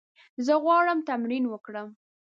زه غواړم تمرین وکړم.